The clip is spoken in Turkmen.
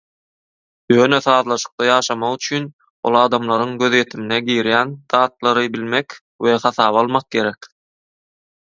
Ýöne sazlaşykda ýaşamak üçin ol adamlaryň gözýetimine girýän zatlary bilmek we hasaba almak gerek.